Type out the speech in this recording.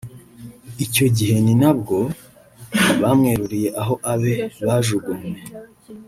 Icyo gihe ni na bwo bamweruriye aho abe bajugunywe